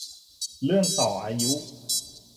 เรื่องต่ออายุ